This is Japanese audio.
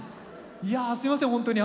いやすみません本当に。